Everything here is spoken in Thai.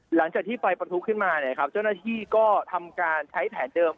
หลังจากที่ไฟประทุขึ้นมาเนี่ยครับเจ้าหน้าที่ก็ทำการใช้แผนเดิม